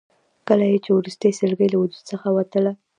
کله یې چې وروستۍ سلګۍ له وجود څخه وتله.